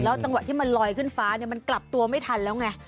จังหวะที่มันลอยขึ้นฟ้ามันกลับตัวไม่ทันแล้วไง